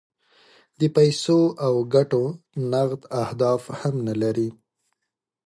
د پیسو او ګټو نغد اهداف هم نه لري.